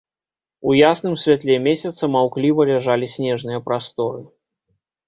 У ясным святле месяца маўкліва ляжалі снежныя прасторы.